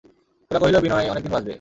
গোরা কহিল, বিনয়, অনেক দিন বাঁচবে।